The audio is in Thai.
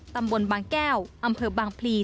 ตำบลบางแก้วอำเภอบางพลี